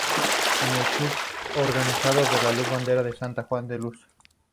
Es el club organizador de la Bandera de San Juan de Luz.